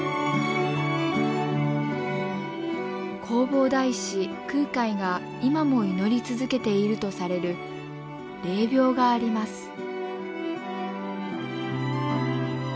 弘法大師空海が今も祈り続けているとされる霊廟があります。